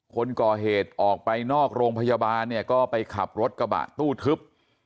คนก่อเหตุออกไปนอกโรงพยาบาลเนี่ยก็ไปขับรถกระบะตู้ทึบ